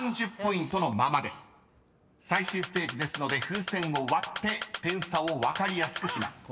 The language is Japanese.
［最終ステージですので風船を割って点差を分かりやすくします］